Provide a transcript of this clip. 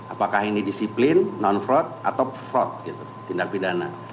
apakah ini disiplin non fraud atau fraud tindak pidana